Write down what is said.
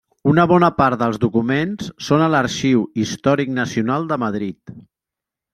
Una bona part dels documents són a l'Arxiu Històric Nacional de Madrid.